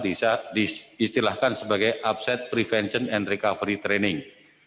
diistilahkan sebagai upset prevention and recovery training